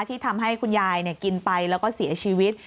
ที่ทำให้คุณยายกินไปแล้วก็เสียชีวิต